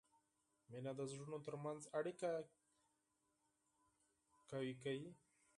مینه د زړونو ترمنځ اړیکه قوي کوي.